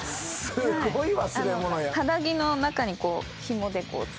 すごいね。